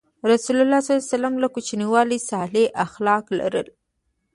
رسول الله ﷺ له کوچنیوالي صالح اخلاق لرل.